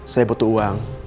saya butuh uang